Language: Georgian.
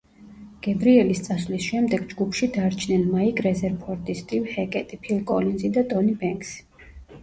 გებრიელის წასვლის შემდეგ, ჯგუფში დარჩნენ მაიკ რეზერფორდი, სტივ ჰეკეტი, ფილ კოლინზი და ტონი ბენქსი.